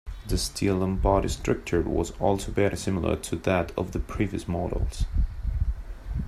The steel unibody structure was also very similar to that of the previous models.